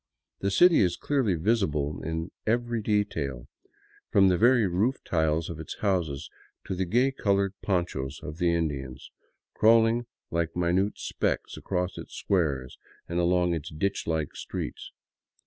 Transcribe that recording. The city is clearly visible in its every detail, from the very roof tiles of its houses to the gay colored ponchos of the Indians, crawling like minute specks across its squares and along its ditch like streets.